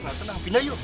nggak tenang pindah yuk